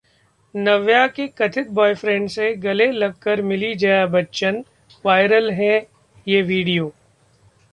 नव्या के कथित बॉयफ्रेंड से गले लगकर मिलीं जया बच्चन, वायरल है ये वीडियो